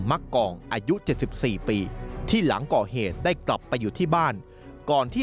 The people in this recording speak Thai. มักกองอายุ๗๔ปีที่หลังก่อเหตุได้กลับไปอยู่ที่บ้านก่อนที่